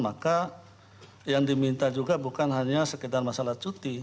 maka yang diminta juga bukan hanya sekedar masalah cuti